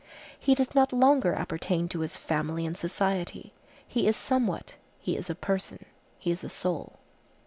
He does not longer appertain to his family and society; he is somewhat; he is a person; he is a soul.